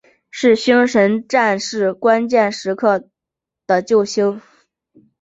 是星神战士关键时刻时的救星。